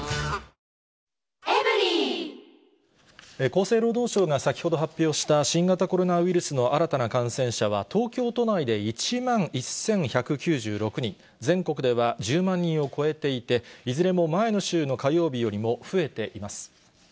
厚生労働省が先ほど発表した新型コロナウイルスの新たな感染者は、東京都内で１万１１９６人、全国では１０万人を超えていて、いずれも前の週の火曜日よりも増えています。